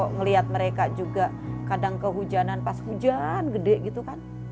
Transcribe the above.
ngelihat mereka juga kadang kehujanan pas hujan gede gitu kan